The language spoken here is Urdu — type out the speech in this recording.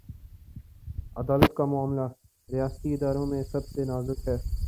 عدالت کامعاملہ، ریاستی اداروں میں سب سے نازک ہے۔